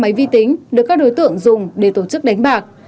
máy vi tính được các đối tượng dùng để tổ chức đánh bạc